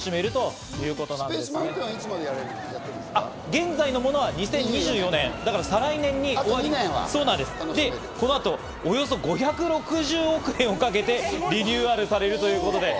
現在のものは２０２４年、再来年までで、この後およそ５６０億円をかけてリニューアルされるということです。